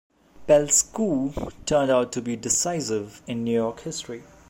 Pell's coup turned out to be decisive in New York history.